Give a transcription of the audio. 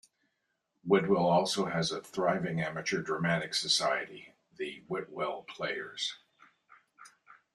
Whitwell also has a thriving amateur dramatics society - The Whitwell Players.